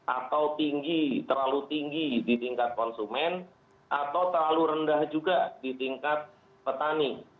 atau tinggi terlalu tinggi di tingkat konsumen atau terlalu rendah juga di tingkat petani